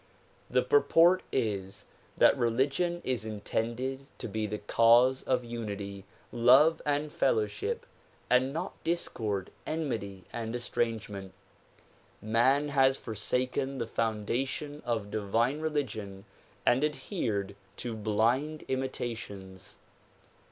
The purport is that religion is intended to be the cause of unity, love and fellowship and not discord, enmity and estrangement, ^lan has forsaken the foundation of divine religion and adhered to blind imitations.